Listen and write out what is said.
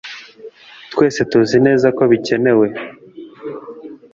Twese tuzi neza ko bikenewe